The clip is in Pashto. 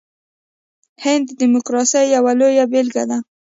هند د ډیموکراسۍ یوه لویه بیلګه ده.